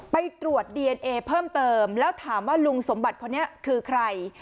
ไปตรวจดีเอนเอเพิ่มเติมแล้วถามว่าลุงสมบัติคนนี้คือใคร